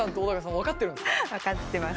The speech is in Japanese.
分かってます。